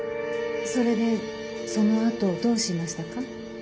それでそのあとどうしましたか？